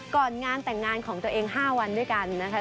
ก่อนงานแต่งงานของตัวเอง๕วันด้วยกันนะคะ